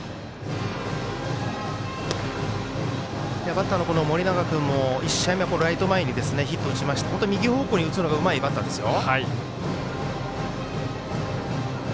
バッターの盛永君も１試合目ライト前にヒット打って右方向に打つのがうまいバッターですよ。